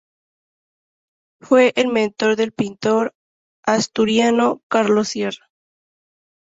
Fue el mentor del pintor asturiano Carlos Sierra.